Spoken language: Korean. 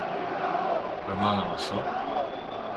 얼마나 남았어?